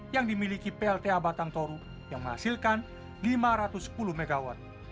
yang dimiliki plta batang toru yang menghasilkan lima ratus sepuluh mw